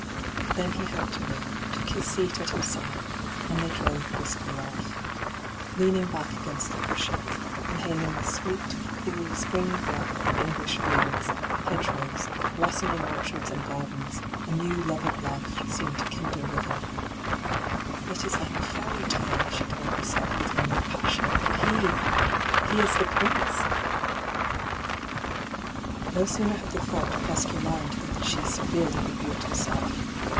Then he helped her in, took his seat at her 17—2 n,aN, .^hyG00^lc 26o ENTRAPPED aide, and they drove briskly off. Leaning back against the cushions, inhaling the sweet, cool, spring breath of English fields, hedge rows, blossoming orchards and gardens, a new love of life seemed to kindle within her. ' It is Uke a &iry tsle,' she told herself with inward passion ;' and he — he is the prince I' No sooner had the thought crossed her mind than she severely rebuked herself.